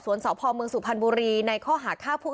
สวัสดีครับ